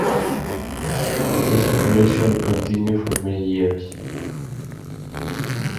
This situation continued for many years.